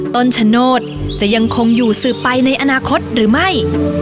ต้นชะโนธจะยังคงอยู่สืบไปในอนาคตหรือไม่